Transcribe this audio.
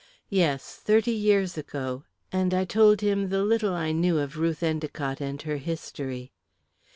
"Yes; thirty years ago," and I told him the little I knew of Ruth Endicott and her history.